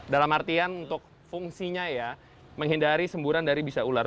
dalam artian untuk fungsinya ya menghindari semburan dari bisa ular